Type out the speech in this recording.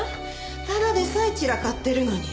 ただでさえ散らかってるのに。